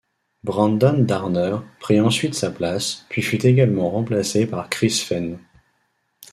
Brandon Darner prit ensuite sa place, puis fut également remplacé par Chris Fehn.